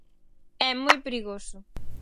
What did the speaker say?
É moi perigoso.